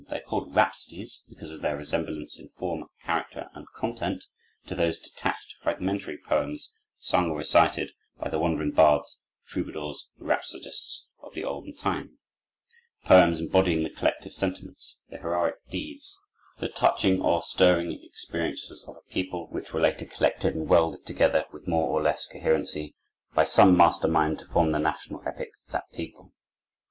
They are called "Rhapsodies" because of their resemblance, in form, character, and content, to those detached, fragmentary poems sung or recited by the wandering bards, troubadours, and rhapsodists of the olden time—poems embodying the collective sentiments, the heroic deeds, the touching or stirring experiences of a people, which were later collected and welded together, with more or less coherency, by some master mind, to form the national epic of that people.